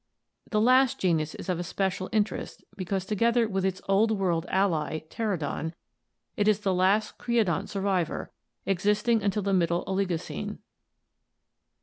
The last genus is of especial interest because together with its Old World ally Plerodon it is the last creodont survivor, existing until the Middle Oligocene.